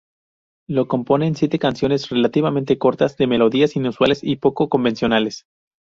Lo componen siete canciones relativamente cortas de melodías inusuales y poco convencionales.